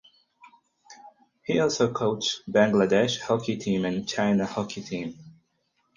He also coached Bangladesh Hockey team and China Hockey team.